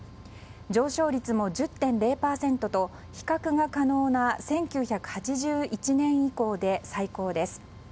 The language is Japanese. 上昇率も１０．０％と比較が可能な１９８１年以降で最高です。